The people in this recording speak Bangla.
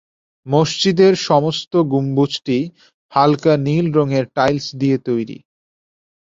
মসজিদের সমস্ত গম্বুজটি হালকা নীল রঙের টাইলস দিয়ে তৈরি।